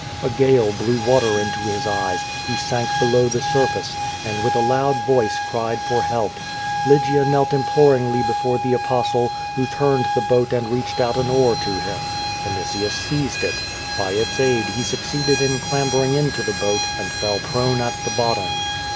A gale blew water into his eyes, he sank below the surface, and with a loud voice cried for help. Lygia knelt imploringly before the Apostle, who turned the boat and reached out an oar to him. Vinitius seized it. By its aid he succeeded in clambering into the boat and fell prone at the bottom.